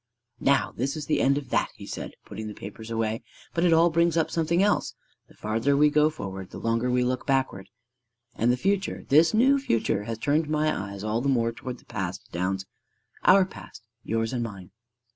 "Now this is the end of that," he said, putting the papers away. "But it all brings up something else: the farther we go forward, the longer we look backward; and the future, this new future, has turned my eyes all the more toward the past, Downs, our past yours and mine!"